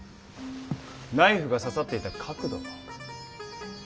ナイフが刺さっていた角度は？